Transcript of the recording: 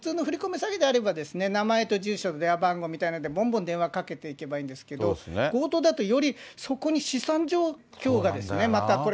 詐欺であれば名前と住所と電話番号みたいので、ぼんぼん電話かけてけばいいんですけど、強盗だと、より、そこに資産状況がまたこれ、